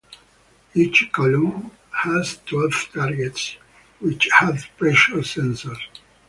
Each column has twelve targets which have pressure sensors.